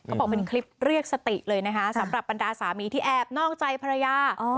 บอกเป็นคลิปเรียกสติเลยนะคะสำหรับบรรดาสามีที่แอบนอกใจภรรยา